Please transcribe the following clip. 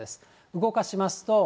動かしますと。